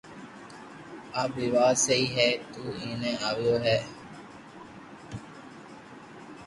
آ بي وات سھي ڪي تو ايئي آويو ھي